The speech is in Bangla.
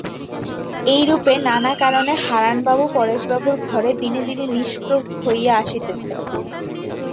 এইরূপে নানা কারণে হারানবাবু পরেশবাবুর ঘরে দিনে দিনে নিষ্প্রভ হইয়া আসিতেছেন।